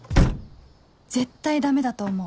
絶対ダメだと思う